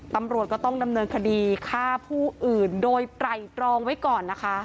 ตำรวจก็ต้องดำเนินคดีฆ่าผู้อื่นโดยไตรตรองไว้ก่อนนะคะ